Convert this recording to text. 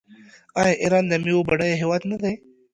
آیا ایران د میوو بډایه هیواد نه دی؟